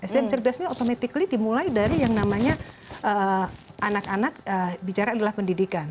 sdm cerdasnya otomatis dimulai dari yang namanya anak anak bicara adalah pendidikan